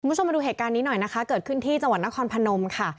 คุณผู้ชมมาดูเหตุการณ์นี้หน่อยนะคะเกิดขึ้นที่จังหวัดนครพนมค่ะ